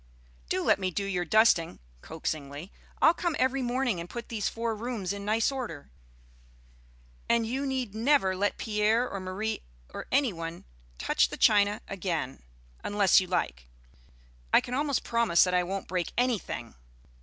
Do let me do your dusting," coaxingly; "I'll come every morning and put these four rooms in nice order; and you need never let Pierre or Marie or any one touch the china again, unless you like. I can almost promise that I won't break anything!"